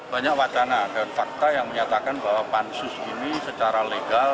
banyak wacana dan fakta yang menyatakan bahwa pansus ini secara legal